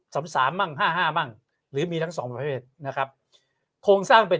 สามสามบ้างห้าห้ามั่งหรือมีทั้งสองประเภทนะครับโครงสร้างเป็น